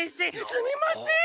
すみません！